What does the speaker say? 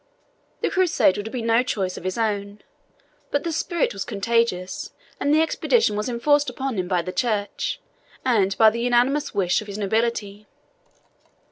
The Crusade would have been no choice of his own; but the spirit was contagious, and the expedition was enforced upon him by the church, and by the unanimous wish of his nobility.